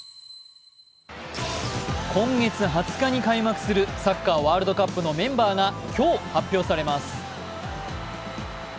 今月２０日に開幕するサッカーワールドカップのメンバーが今日、発表されます。